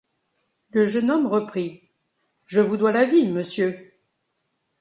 Le jeune homme reprit :— Je vous dois la vie, monsieur.